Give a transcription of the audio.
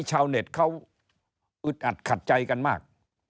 ชาวเน็ตเขาอึดอัดขัดใจกันมาก